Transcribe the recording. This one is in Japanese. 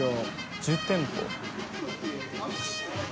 「１０店舗」